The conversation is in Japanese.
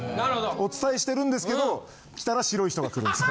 お伝えしてるんですけど来たら白い人が来るんですよ。